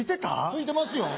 ついてますよ。